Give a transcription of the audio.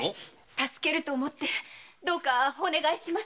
助けると思ってお願いします。